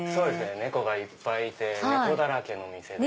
猫がいっぱいいて猫だらけの店です。